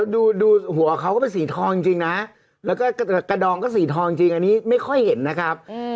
ดูหัวเขาก็เป็นสีทองจริงนะแล้วก็กระดองก็สีทองจริงอันนี้ไม่ค่อยเห็นนะครับ